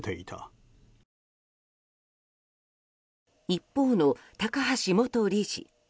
一方の高橋元理事。